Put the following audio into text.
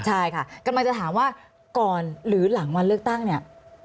ใช่ค่ะกำลังจะถามว่าก่อนหรือหลังวันเลือกตั้งเนี่ย